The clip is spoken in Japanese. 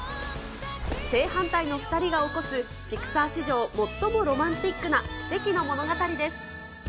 正反対の２人が起こす、ピクサー史上最もロマンティックな奇跡の物語です。